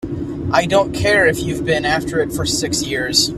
I don't care if you've been after it for six years!